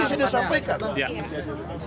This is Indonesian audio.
tadi saya sudah sampaikan